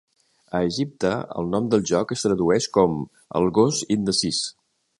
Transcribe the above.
A Egipte, el nom del joc es tradueix com "El gos indecís".